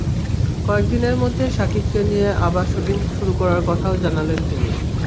কয়েক দিনের মধ্যে শাকিবকে নিয়ে আবার শুটিং করার কথাও জানালেন তিনি।